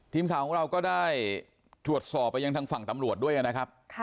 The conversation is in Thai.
ทีมข่าวของเราก็ได้ตรวจสอบไปยังทางฝั่งตำรวจด้วยนะครับ